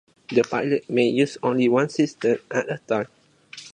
The pilot may use only one system at a time.